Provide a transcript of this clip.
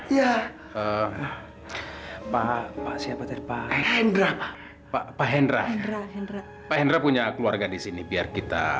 ya pak siapa terpakai endra pak endra endra endra endra punya keluarga di sini biar kita